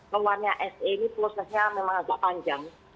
seharusnya memang agak panjang